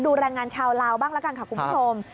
แรงงานชาวลาวบ้างละกันค่ะคุณผู้ชม